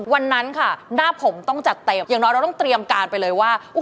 วันนั้นค่ะหน้าผมต้องจัดเต็มอย่างน้อยเราต้องเตรียมการไปเลยว่า